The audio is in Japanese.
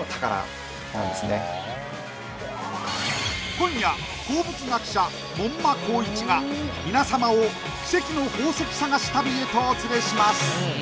今夜鉱物学者門馬綱一が皆様を奇跡の宝石探し旅へとお連れします